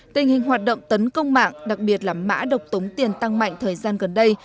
tình hình hoạt động tấn công mạng đặc biệt là mã độc tống tiền tăng mạnh thời gian gần đây